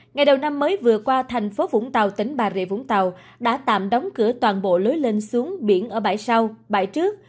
ngày đầu năm mới vừa qua thành phố vũng tàu tỉnh bà rịa vũng tàu đã tạm đóng cửa toàn bộ lối lên xuống biển ở bãi sau bãi trước